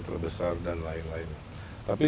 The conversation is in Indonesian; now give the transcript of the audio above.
terbesar dan lain lain tapi